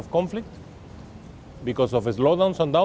jika perang terus berlanjut di benua biru